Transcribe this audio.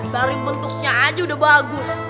dari bentuknya aja udah bagus